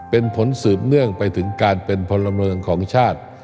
เป็นผลสืบเนื่องไปถึงการเป็นพลเมืองของชาติ